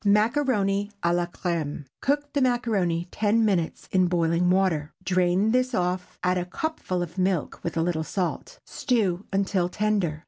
MACARONI À LA CRÈME. ✠ Cook the macaroni ten minutes in boiling water. Drain this off, and add a cupful of milk, with a little salt. Stew until tender.